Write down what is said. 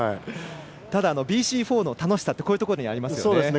ただ、ＢＣ４の楽しさってこういうところにありますよね。